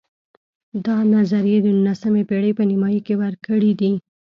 دا نظر یې د نولسمې پېړۍ په نیمایي کې ورکړی دی.